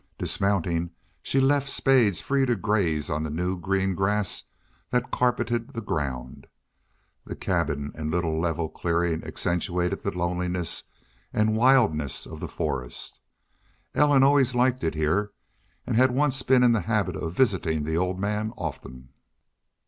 Dismounting, she left Spades free to graze on the new green grass that carpeted the ground. The cabin and little level clearing accentuated the loneliness and wildness of the forest. Ellen always liked it here and had once been in the habit of visiting the old man often.